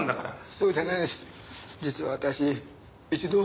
そうじゃないんですよ。